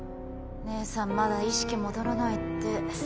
姉さんまだ意識戻らないって。